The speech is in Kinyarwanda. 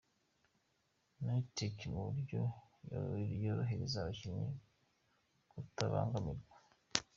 knit Tech ku buryo yorohereza abakinnyi kutabangamirwa